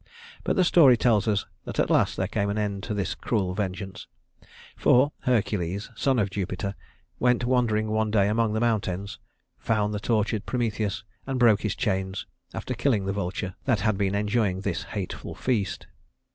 But the story tells us that at last there came an end to this cruel vengeance, for Hercules, son of Jupiter, went wandering one day among the mountains, found the tortured Prometheus, and broke his chains, after killing the vulture that had been enjoying this hateful feast.